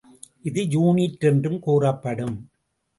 இது யூனிட் என்றும் கூறப்படும்.